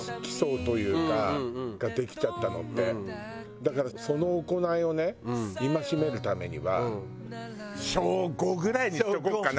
だからその行いをね戒めるためには小５ぐらいにしておこうかな。